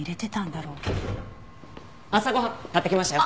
朝ご飯買ってきましたよ。